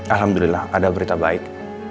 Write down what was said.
alhamdulillah ada berita baik